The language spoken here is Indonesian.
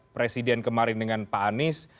presiden kemarin dengan pak anies